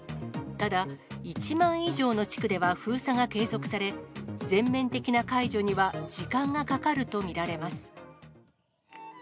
ただ、１万以上の地区では封鎖が継続され、全面的な解除には時間がかかると見られます。